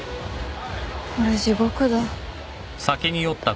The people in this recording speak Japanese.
これ地獄だ。